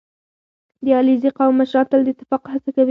• د علیزي قوم مشران تل د اتفاق هڅه کوي.